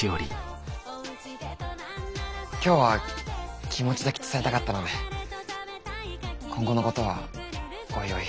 今日は気持ちだけ伝えたかったので今後のことはおいおい。